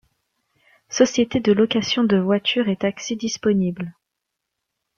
Sociétés de location de voitures et taxis disponibles.